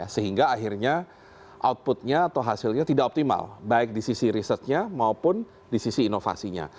sehingga akhirnya outputnya atau hasilnya tidak optimal baik di sisi risetnya maupun di sisi inovasinya